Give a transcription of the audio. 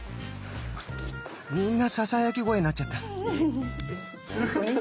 みんなささやき声になっちゃった。